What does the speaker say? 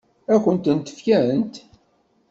Ad kent-tent-fkent?